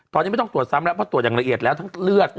ตอนนี้ไม่ต้องตรวจซ้ำแล้วเพราะตรวจอย่างละเอียดแล้วทั้งเลือด